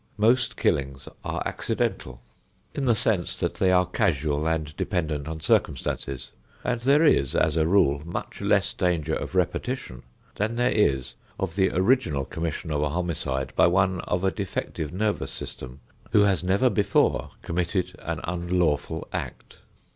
Most killings are accidental in the sense that they are casual and dependent on circumstances, and there is as a rule much less danger of repetition than there is of the original commission of a homicide by one of a defective nervous system who has never before committed an unlawful act.